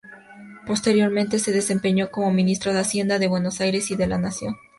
Posteriormente se desempeñó como ministro de Hacienda de Buenos Aires y de la Nación.